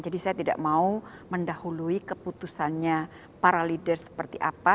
jadi saya tidak mau mendahului keputusannya para leader seperti apa